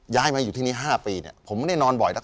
ย้ายมาอยู่ที่นี่ห้าปีเนี่ยผมไม่ได้นอนบ่อย